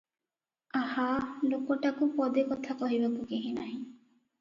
ଆହା! ଲୋକଟାକୁ ପଦେ କଥା କହିବାକୁ କେହି ନାହିଁ ।